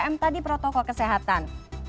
tiga m tadi protokol kesehatan